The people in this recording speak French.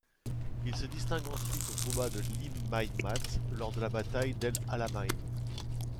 Il se distingue ensuite au combat de l'Himeimat lors de la bataille d'El Alamein.